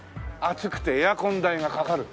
暑くてエアコン代がかかる。